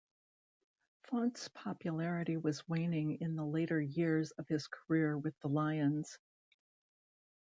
Fontes popularity was waning in the later years of his career with the Lions.